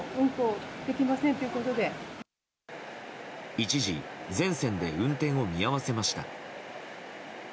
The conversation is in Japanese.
一時、全線で運転を見合わせました。